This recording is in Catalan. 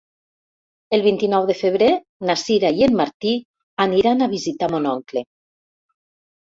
El vint-i-nou de febrer na Sira i en Martí aniran a visitar mon oncle.